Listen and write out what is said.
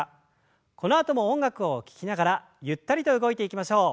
このあとも音楽を聞きながらゆったりと動いていきましょう。